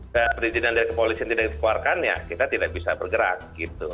dan perizinan dari kepolisian tidak dikeluarkan ya kita tidak bisa bergerak gitu